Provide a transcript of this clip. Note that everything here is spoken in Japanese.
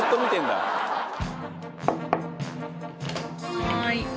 はい。